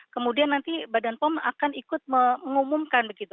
kemudian nanti badan pom akan ikut mengumumkan begitu